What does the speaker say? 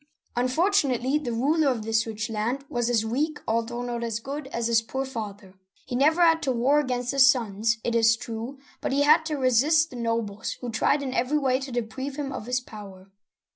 Unfortunately, the ruler of this rich land was as weak — although not as good — as his poor father. He never had to war against his sons, it is true, but he had to resist the nobles, who tried in every way to deprive him of his power.